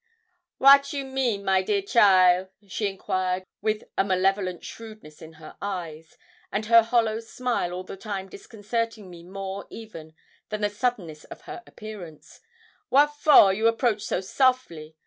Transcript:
'Wat you mean, my dear cheaile?' she inquired with a malevolent shrewdness in her eyes, and her hollow smile all the time disconcerting me more even than the suddenness of her appearance; 'wat for you approach so softly?